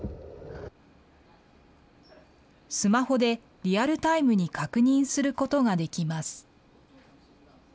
スマホでリアルタイムに確認することができます。